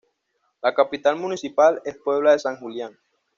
La capital municipal es Puebla de San Julián.